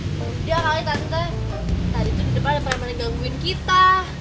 udah kali tante tadi tuh di depan ada orang orang gangguin kita